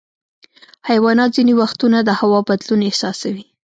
حیوانات ځینې وختونه د هوا بدلون احساسوي.